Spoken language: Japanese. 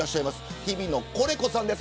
日比野コレコさんです。